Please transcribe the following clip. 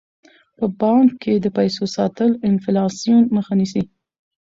په بانک کې د پیسو ساتل د انفلاسیون مخه نیسي.